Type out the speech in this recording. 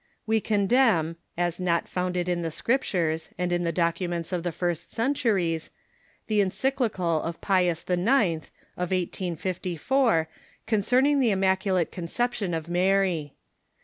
We condemn, as not founded in the Scriptures and in the documents of the first centuries, the encyclical of Pius IX. of 1854 concerning the immaculate conception of Mary.